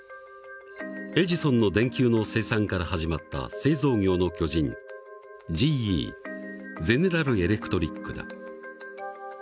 エジソンの電球の生産から始まった製造業の巨人ＧＥゼネラル・エレクトリックだ。